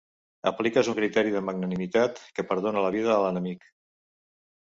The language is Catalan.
Apliques un criteri de magnanimitat que perdona la vida a l'enemic.